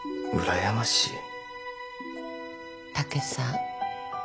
武さん